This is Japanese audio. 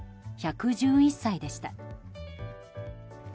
１１１歳でした。